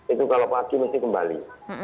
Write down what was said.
itu kalau pagi mesti kembali